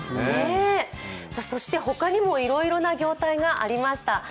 そして他にもいろいろな業態がありました。